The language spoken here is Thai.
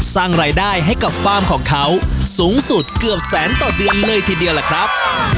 สร้างรายได้ให้กับฟาร์มของเขาสูงสุดเกือบแสนต่อเดือนเลยทีเดียวล่ะครับ